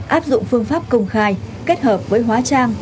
áp dụng phương pháp công khai kết hợp với hóa trang